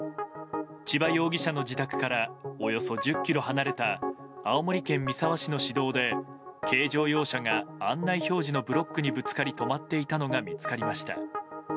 千葉容疑者の自宅からおよそ１０ｋｍ離れた青森県三沢市の市道で軽乗用車が案内表示のブロックにぶつかり止まっていたのが見つかりました。